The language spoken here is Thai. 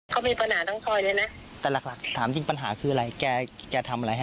แกเหมือนกับเป็นการท้าทายค่ะ